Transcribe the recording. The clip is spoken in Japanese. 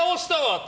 って。